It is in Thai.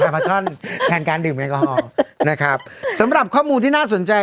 พาช่อนแทนการดื่มแอลกอฮอล์นะครับสำหรับข้อมูลที่น่าสนใจ